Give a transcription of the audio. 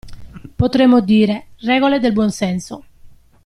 Potremmo dire: regole del buon senso!